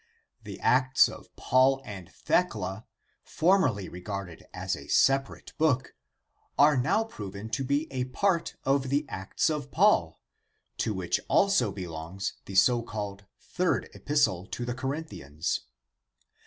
The Acts of Paul and Thecla formerly regarded as a separate book, are now proven to be a part of the Acts of Paul, to which also belongs the so called third epistle to the Corinthians.